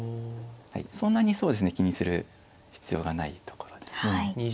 そんなに気にする必要がないところですね。